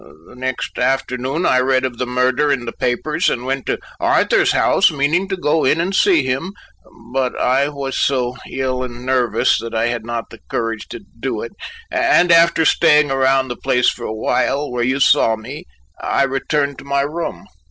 The next afternoon I read of the murder in the papers and went to Arthur's house, meaning to go in and see him, but I was so ill and nervous that I had not the courage to do it, and after staying around the place for awhile, where you saw me, I returned to my room."